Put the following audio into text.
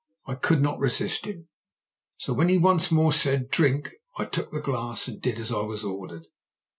I could not resist him. So when he once more said, 'Drink!' I took the glass and did as I was ordered.